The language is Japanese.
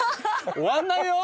終わんないよ！